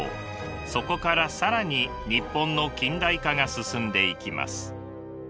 そこから更に日本の近代化が進んでいきます。